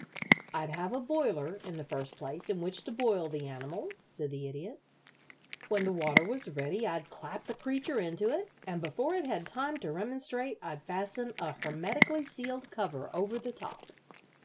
"I'd have a boiler, in the first place, in which to boil the animal," said the Idiot. "When the water was ready I'd clap the creature into it, and before it had time to remonstrate I'd fasten a hermetically sealed cover over the top."